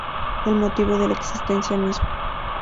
El motivo de la existencia misma.